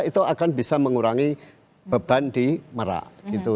itu akan bisa mengurangi beban di merak gitu